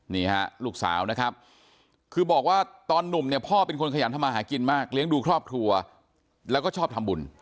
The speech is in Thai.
นี่ฮะลูกสาวนะครับคือบอกว่าตอนหนุ่มเนี่ยพ่อเป็นคนขยันทำมาหากินมากเลี้ยงดูครอบครัวแล้วก็ชอบทำบุญ